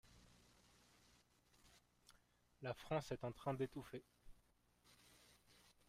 La France est en train d’étouffer.